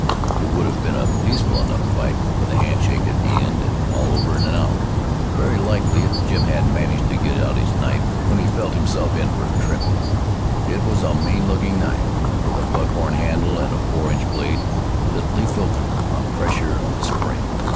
It would have been a peaceful enough little fight, with a handshake at the end and all over in an hour, very likely, if Jim hadn't managed to get out his knife when he felt himself in for a trimming. It was a mean looking knife, with a buck horn handle and a four inch blade that leaped open on pressure of a spring.